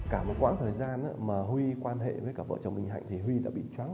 cả một quãng thời gian huy quan hệ với vợ mình hạnh đã bị toán hợp với khối tài sản của hạnh